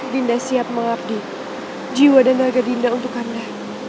dinda siap mengabdi jiwa dan raga dinda untuk anda